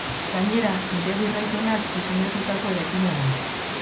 Gainera, nire birraitonak diseinatutako eraikina da.